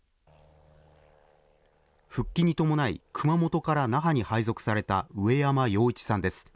復帰に伴い、熊本から那覇に配属された植山洋一さんです。